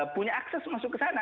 punya akses masuk ke sana